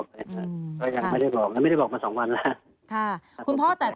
ก็ยังไม่ได้บอกไม่ได้บอกมาสองวันแล้ว